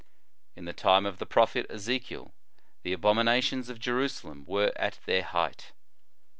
99 In the time of the prophet Ezechiel the abominations of Jerusalem were at their height.